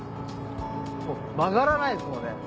もう曲がらないですもんね